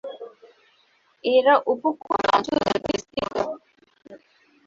এরা উপকূল অঞ্চলে বিস্তৃত।